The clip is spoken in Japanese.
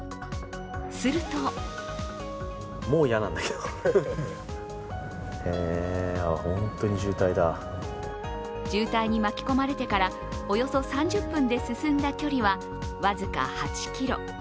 すると渋滞に巻き込まれてからおよそ３０分で進んだ距離は、僅か８ｋｍ。